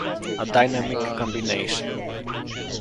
A dynamic combination.